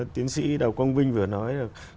tiến sĩ đào quang vinh vừa nói